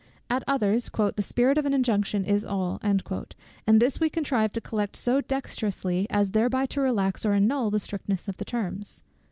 At others, "the spirit of an injunction is all;" and this we contrive to collect so dexterously, as thereby to relax or annul the strictness of the terms.